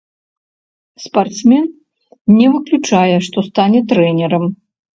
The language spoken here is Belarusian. Спартсмен не выключае, што стане трэнерам.